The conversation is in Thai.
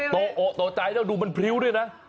ตัวโอ๊ะตัวใจแล้วดูมันพริ้วด้วยนะ